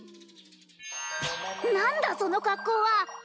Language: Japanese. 何だその格好は！